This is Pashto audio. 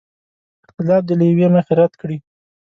اختلاف دې له یوې مخې رد کړي.